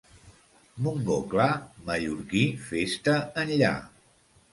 Montgó clar, mallorquí, fes-te enllà.